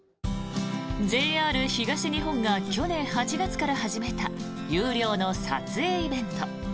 ＪＲ東日本が去年８月から始めた有料の撮影イベント。